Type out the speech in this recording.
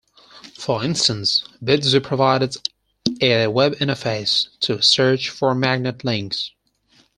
For instance Bitzi provides a web interface to search for magnet links.